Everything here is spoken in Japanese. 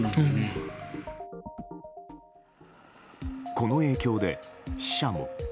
この影響で死者も。